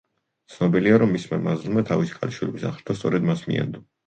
ცნობილია, რომ მისმა მაზლმა თავისი ქალიშვილების აღზრდა სწორედ მას მიანდო.